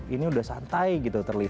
ini udah santai gitu